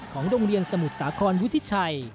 ของโรงเรียนสมุทรศครรุธิไชร์